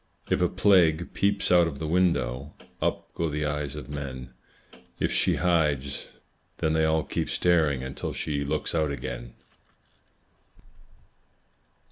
If a Plague peeps out of the window, Up go the eyes of men; If she hides, then they all keep staring Until she looks out again.